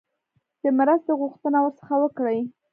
د مرستې غوښتنه ورڅخه وکړي.